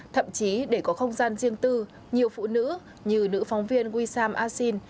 thậm chí để có không gian riêng tư nhiều phụ nữ như nữ phóng viên wissam asin